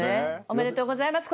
おめでとうございます。